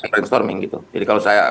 brainstorming gitu jadi kalau saya